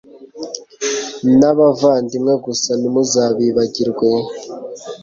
n abavandimwe gusa ntimuzabibagirwe